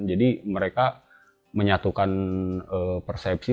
jadi mereka menyatukan persepsi